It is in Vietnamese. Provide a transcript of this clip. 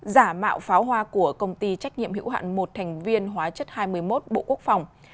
giả mạo pháo hoa của công ty trách nhiệm hữu hạn một thành viên hóa chất hai mươi một bộ quốc phòng